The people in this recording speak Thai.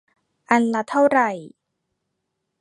อันละเท่าไหร่